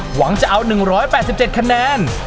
หวังจะเอา๑๘๗คะแนน